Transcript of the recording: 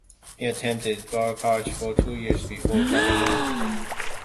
He attended Bard College for two years before dropping out.